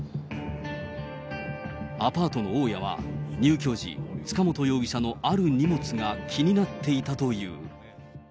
アパートの大家は入居時、塚本容疑者のある荷物が気になっていたという。